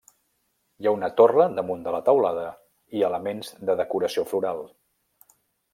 Hi ha una torre damunt de la teulada i elements de decoració floral.